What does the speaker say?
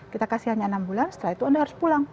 kita kasih hanya enam bulan setelah itu anda harus pulang